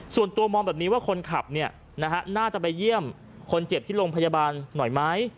ส่วนตัวมองแบบนี้ว่าคนขับน่าจะไปเยี่ยมคนเจ็บที่โรงพยาบาลหน่อยไหม